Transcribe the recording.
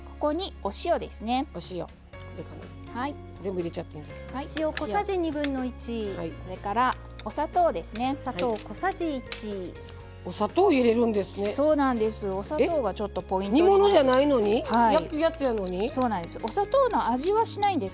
お砂糖がちょっとポイントなんです。